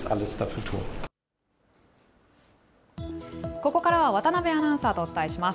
ここからは渡辺アナウンサーとお伝えします。